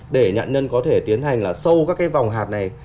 để nạn nhân có thể tiến hành là sâu các cái vòng hạt này